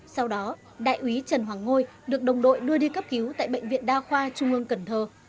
sau đó đại úy trần hoàng ngôi được đồng đội đưa đi cấp cứu tại bệnh viện đa khoa trung ương cần thơ